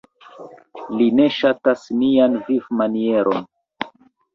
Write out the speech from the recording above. Li ne ŝatas nian vivmanieron.